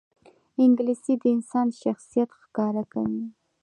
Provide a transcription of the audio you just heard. انګلیسي د انسان شخصیت ښکاروي